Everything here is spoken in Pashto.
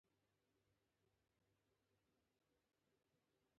یو ډول عجیب زغم وو.